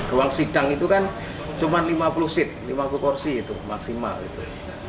ruang sidang itu kan cuma lima puluh seat lima puluh kursi itu maksimal gitu